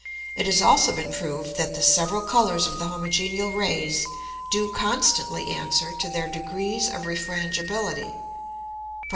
It has also been proved that the several Colours of the homogeneal Rays do constantly answer to their degrees of Refrangibility, (_Prop.